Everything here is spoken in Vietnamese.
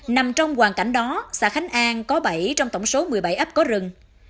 nằm trong hoàn cảnh đó xã khánh an có bảy trong tổng số một mươi bảy ấp có rừng